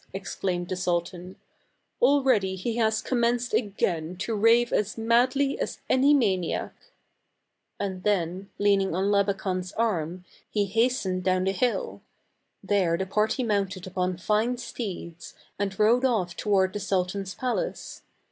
" exclaimed the sultan ;" already he has commenced again to rave as madly as any maniac." And then, leaning on Labakan's arm, he has tened down the hill. There the party mounted upon fine steeds and rode off toward the sultan's palace.